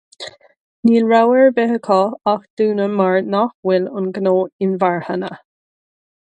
Níl rogha ar bith acu ach dúnadh mar nach bhfuil an gnó inmharthana